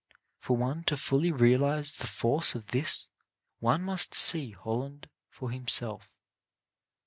For one to fully realize the force of this one must see Holland for himself.